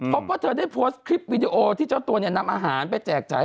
เพราะว่าเธอได้โพสต์คลิปวิดีโอที่เจ้าตัวนำอาหารไปแจกใจ